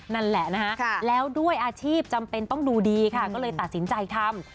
นั่นแหละนะคะแล้วด้วยอาชีพจำเป็นต้องดูดีค่ะก็เลยตัดสินใจทำ